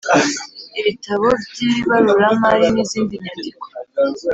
ibitabo by ibaruramari n izindi nyandiko